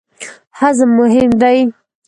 هضم مهم دی.